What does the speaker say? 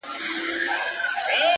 • زموږ د كلي څخه ربه ښكلا كډه كړې؛